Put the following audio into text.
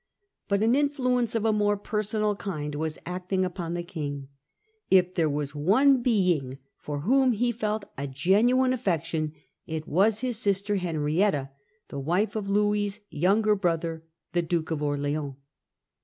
But an influence of a more personal kind was acting 1669. Charles hectares his Conversion . upon the King, if there was one being for whom he felt a genuine affection it was his sister Henrietta, the wife of Louis's younger brother, the Duke of Orleans (see p.